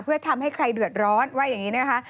เพื่อทำให้ใครเดือดร้อนว่าอย่างนี้นะคะ